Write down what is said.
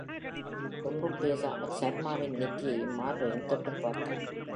ஒன்றும் பேசாமல், சர்மாவின் நெற்றியையும், மார்பையும் தொட்டுப் பார்த்தாள்.